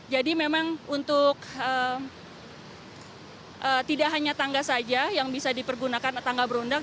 jadi memang untuk tidak hanya tangga saja yang bisa dipergunakan tangga berundang